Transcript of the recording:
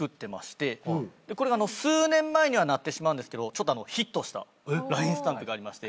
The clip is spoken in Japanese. これが数年前にはなってしまうんですけどちょっとヒットしたＬＩＮＥスタンプがありまして。